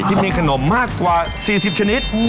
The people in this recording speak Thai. ที่มีขนมมากกว่า๔๐ชนิด